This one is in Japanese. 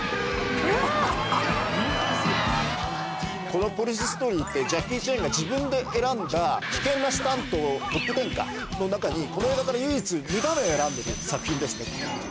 このポリス・ストーリーって、ジャッキーが自分で選んだ危険なスタントトップ１０の中に、この映画から唯一、２場面選んでいる作品ですね。